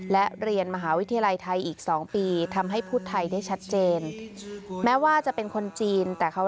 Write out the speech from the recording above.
และเรียนมหาวิทยาลัยไทยอีก๒ปีทำให้พูดไทยได้ชัดเจนแม้ว่าจะเป็นคนจีนแต่เขา